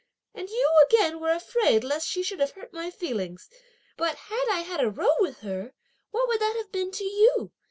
and you again were afraid lest she should have hurt my feelings, but, had I had a row with her, what would that have been to you?